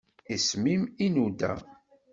Iseɣ-im inuda.